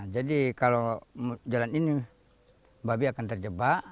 kalau jalan ini babi akan terjebak